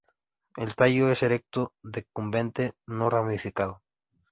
El tallo es erecto, decumbente, no ramificado.